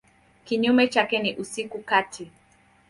Kinyume chake ni usiku kati.